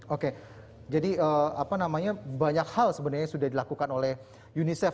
oke jadi banyak hal sebenarnya sudah dilakukan oleh unicef